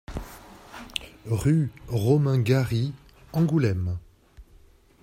Rue Romain Gary, Angoulême